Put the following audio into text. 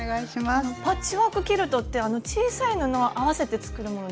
パッチワーク・キルトってあの小さい布を合わせて作るものですよね。